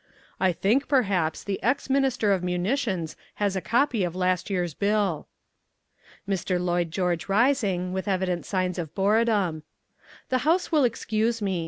I think, perhaps, the Ex Minister of Munitions has a copy of last year's bill." Mr. Lloyd George rising, with evident signs of boredom. "The House will excuse me.